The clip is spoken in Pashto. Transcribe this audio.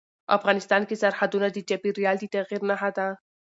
افغانستان کې سرحدونه د چاپېریال د تغیر نښه ده.